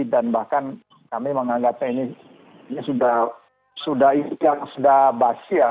dan bahkan kami menganggapnya ini sudah basia